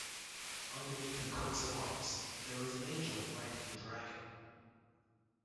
Underneath the coats of arms, there is an angel riding a dragon.